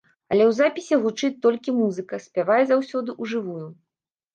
Але ў запісе гучыць толькі музыка, спявае заўсёды ў жывую.